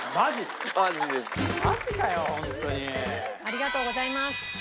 ありがとうございます。